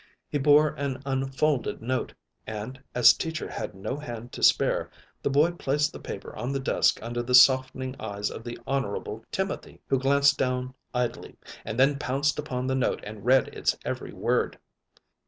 He bore an unfolded note and, as Teacher had no hand to spare, the boy placed the paper on the desk under the softening eyes of the Honorable Timothy, who glanced down idly and then pounced upon the note and read its every word.